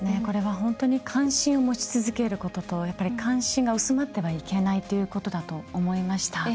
関心を持ち続けることと関心が薄まってはいけないということだと思いました。